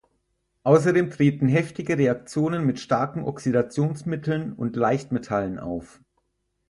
Außerdem treten heftige Reaktionen mit starken Oxidationsmitteln und Leichtmetallen auf.